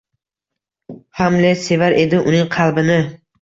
Hamlet sevar edi, uning qalbini